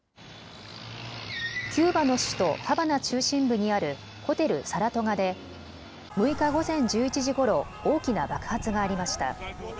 キューバの首都ハバナ中心部にあるホテルサラトガで６日午前１１時ごろ大きな爆発がありました。